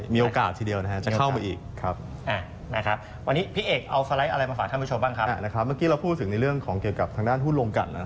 เมื่อกี้เราพูดถึงในเรื่องของเกี่ยวกับทางด้านหุ้นโรงกัน